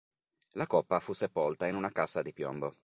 La coppa fu sepolta in una cassa di piombo.